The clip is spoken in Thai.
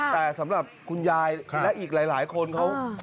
แต่สำหรับคุณยายและอีกหลายคนเขา